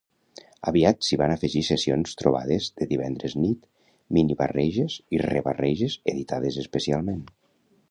Aviat s'hi van afegir sessions trobades de divendres nit, mini-barreges i re-barreges editades especialment.